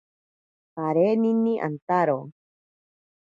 Parinini antaro.